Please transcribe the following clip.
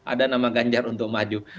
ada nama ganjar untuk maju